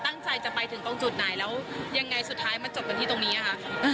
ตั้งใจจะไปถึงตรงจุดไหนแล้วยังไงสุดท้ายมาจบกันที่ตรงนี้ค่ะ